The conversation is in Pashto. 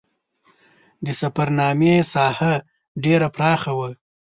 د سفرنامې ساحه ډېره پراخه وه.